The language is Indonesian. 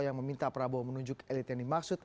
yang meminta prabowo menunjuk elit yang dimaksud